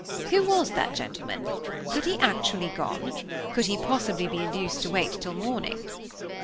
Who was the gentleman? Had he actually gone? Could he possibly be induced to wait till morning?